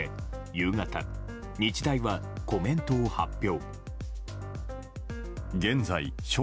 夕方、日大はコメントを発表。